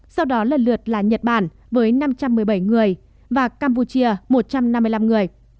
sau đó lần lượt là nhật bản với năm trăm một mươi bảy người và campuchia một trăm năm mươi năm người